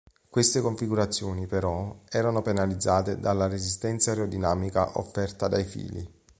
Queste configurazioni, però, erano penalizzate dalla resistenza aerodinamica offerta dai fili.